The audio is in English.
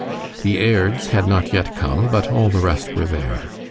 The Airds had not yet come, but all the rest were there.